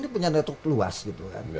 punya network luas gitu kan